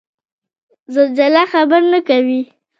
زلزله خبر نه کوي